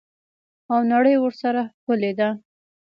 او نړۍ ورسره ښکلې ده.